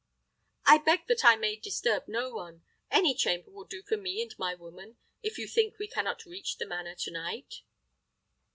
"I beg that I may disturb no one. Any chamber will do for me and my woman, if you think we cannot reach the manor to night."